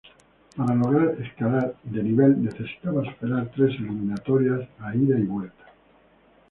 Para lograr escalar de nivel necesitaba superar tres eliminatorias a ida y vuelta.